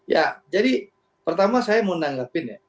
ya jadi pertama saya mau menanggapin ya